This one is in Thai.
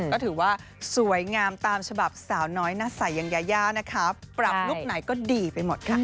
ก็ถือว่าสวยงามตามฉบับสาวน้อยหน้าใสอย่างยายานะคะปรับลุคไหนก็ดีไปหมดค่ะ